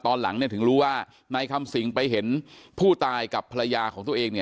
ตอนหลังถึงรู้ว่านายคำสิงไปเห็นผู้ตายกับภรรยาของตัวเอง